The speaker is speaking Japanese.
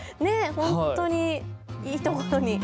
本当にいいところに。